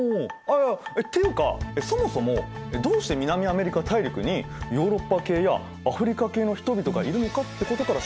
っていうかそもそもどうして南アメリカ大陸にヨーロッパ系やアフリカ系の人々がいるのかってことから調べる必要があるんじゃない？